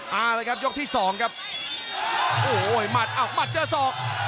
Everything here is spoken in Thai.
มาเลยครับยกที่สองครับโอ้โหหมัดอ้าวหมัดเจอศอก